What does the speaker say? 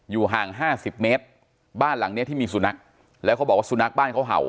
ห่างห้าสิบเมตรบ้านหลังเนี้ยที่มีสุนัขแล้วเขาบอกว่าสุนัขบ้านเขาเห่า